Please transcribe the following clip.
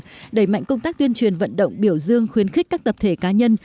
đẩy mạnh công tác tuyên truyền vận động biểu dương khuyến khích các tập thể cá nhân